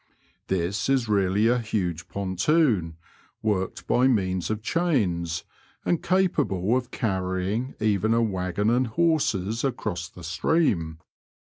This is really a huge pontoon, worked by means of chains, and capable of carrying even a waggon and horses across the stream.